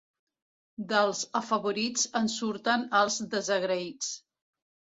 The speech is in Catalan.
Dels afavorits en surten els desagraïts.